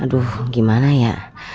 aduh gimana ya